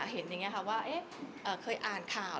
เห็นไงค่ะเคยอ่านข่าว